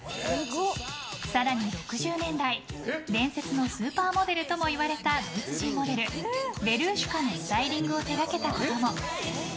更に６０年代、伝説のスーパーモデルともいわれたドイツ人モデルヴェルーシュカのスタイリングを手掛けたことも。